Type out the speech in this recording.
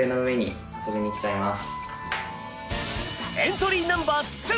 エントリーナンバー２